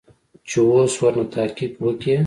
چې اوس ورنه تحقيق وکې.